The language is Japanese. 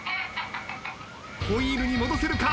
ホイールに戻せるか？